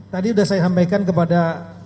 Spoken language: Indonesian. tadi sudah saya sampaikan kepada